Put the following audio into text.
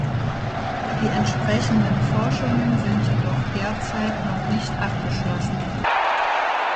Die entsprechenden Forschungen sind jedoch derzeit noch nicht abgeschlossen.